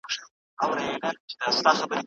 نور څه نه وای چي هر څه وای